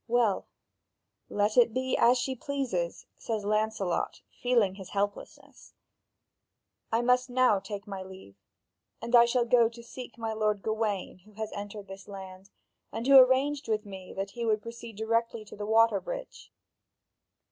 "Well, let it be as she pleases," says Lancelot, feeling his helplessness; "I must now take my leave, and I shall go to seek my lord Gawain who has entered this land, and who arranged with me that he would proceed directly to the waterbridge."